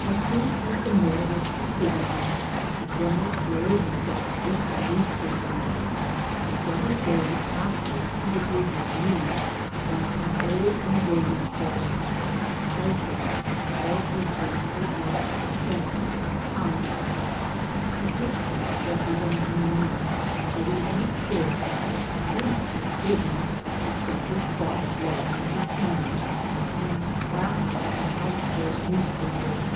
As soon as the mail was distributed, the general bur. ied himself with the newspapers. For several days af ter he agreed with me that an old engraving, called "My Husband," was a faithful likeness of him at such a time (the picture represented a man sitting in a chair, completely hidden, except his crossed legs and his hands, and clasping an outspread paper).